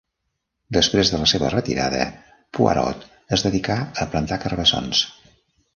Després de la seva retirada, Poirot es dedicà a plantar carbassons.